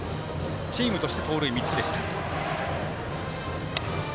チームとして、盗塁３つでした。